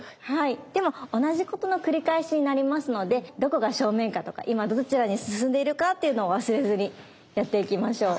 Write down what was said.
でも同じことの繰り返しになりますのでどこが正面かとか今どちらに進んでいるかっていうのを忘れずにやっていきましょう。